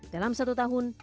dalam satu tahun